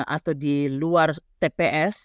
atau di luar tps